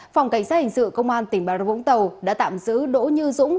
phòng cảnh sát hành sự công an tỉnh bà râu vũng tàu đã tạm giữ đỗ như dũng